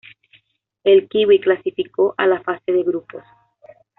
El Kiwi clasificó a la fase de grupos.